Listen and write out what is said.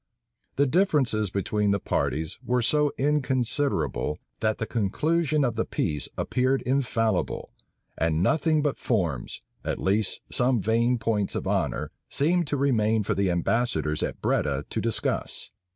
The differences between the parties were so inconsiderable, that the conclusion of peace appeared infallible; and nothing but forms, at least some vain points of honor, seemed to remain for the ambassadors at Breda to discuss.